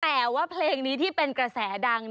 แต่ว่าเพลงนี้ที่เป็นกระแสดัง